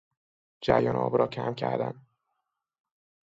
جریان آب را کم کردن